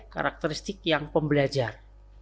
karakteristik yang pembelajar